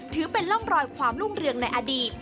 ถือเป็นร่องรอยความรุ่งเรืองในอดีต